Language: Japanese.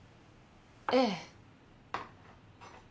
ええ。